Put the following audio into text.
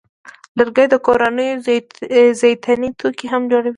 لرګی د کورونو زینتي توکي هم جوړوي.